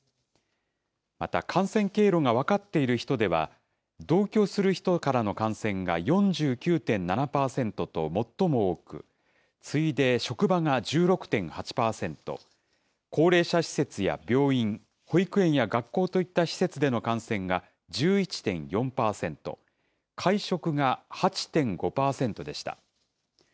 また感染経路が分かっている人では、同居する人からの感染が４９．７％と最も多く、次いで職場が１６．８％、高齢者施設や病院、保育園や学校といった施設での感染が１１．４％、会食が８．５％でした。